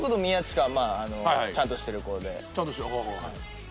ちゃんとしてるはい。